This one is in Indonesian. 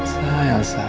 ternyata dia ngajak